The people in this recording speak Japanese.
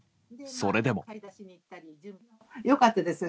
それでも。